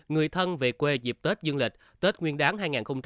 người thân về quê dịp tết dương lịch tết nguyên đáng hai nghìn hai mươi bốn